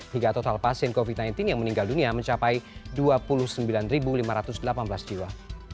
hingga total pasien covid sembilan belas yang meninggal dunia mencapai dua puluh sembilan lima ratus delapan belas jiwa